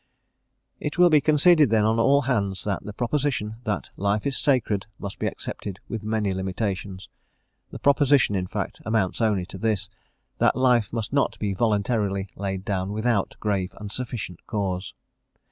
It will be conceded, then, on all hands, that the proposition that life is sacred must be accepted with many limitations: the proposition, in fact, amounts only to this, that life must not be voluntarily laid down without grave and sufficient cause.